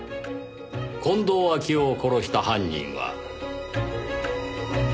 近藤秋夫を殺した犯人は。